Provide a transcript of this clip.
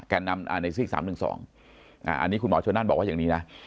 นำในซีก๓๑๒อันนี้คุณหมอชนนั่นบอกว่าอย่างนี้นะ